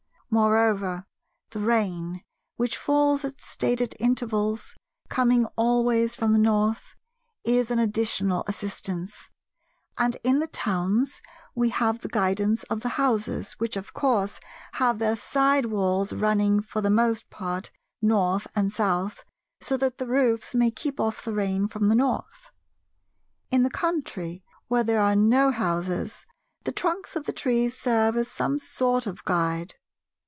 Moreover, the rain (which falls at stated intervals) coming always from the North, is an additional assistance; and in the towns we have the guidance of the houses, which of course have their side walls running for the most part North and South, so that the roofs may keep off the rain from the North. In the country, where there are no houses, the trunks of the trees serve as some sort of guide.